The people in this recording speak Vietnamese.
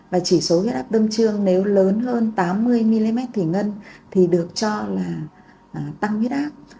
và chỉ số huyết áp tâm trương nếu lớn hơn tám mươi mm thủy ngân thì được cho là tăng huyết áp